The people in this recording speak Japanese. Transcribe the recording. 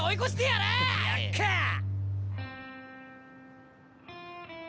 やっかあ！